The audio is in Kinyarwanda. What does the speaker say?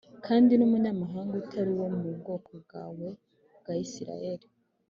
“Kandi n’umunyamahanga utari uwo mu bwoko bwawe bwa Isirayeli